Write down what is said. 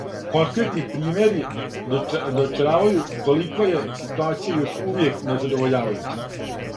Конкретни примјери дочаравају колико је ситуација још увијек незадовољавајућа.